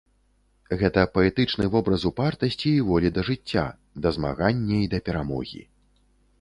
Гэта паэтычны вобраз упартасці і волі да жыцця, да змагання і да перамогі.